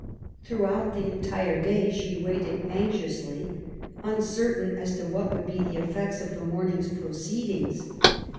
Throughout the entire day she VISIT TO PARIS. 115 waited anxiously, uncertain as to what would be the effects of the moming^fl proceedings.